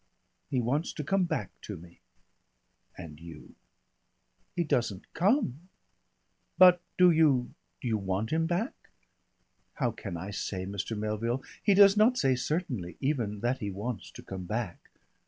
He wants to come back to me." "And you " "He doesn't come." "But do you do you want him back?" "How can I say, Mr. Melville? He does not say certainly even that he wants to come back."